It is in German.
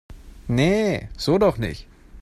Nee, so doch nicht!